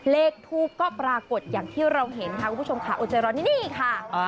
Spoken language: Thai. เลขทูปก็ปรากฏอย่างที่เราเห็นค่ะคุณผู้ชมค่ะอดใจร้อนนี่ค่ะ